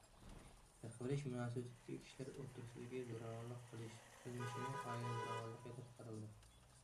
بېقىۋېلىش مۇناسىۋىتىدىكى كىشىلەر ئوتتۇرىسىدىكى زوراۋانلىق قىلمىشىمۇ ئائىلە زوراۋانلىقى دەپ قارىلىدۇ.